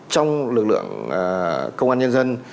trong lực lượng công an nhân dân